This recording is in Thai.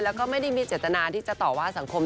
แล้วก็ไม่ได้มีเจตนาที่จะต่อว่าสังคม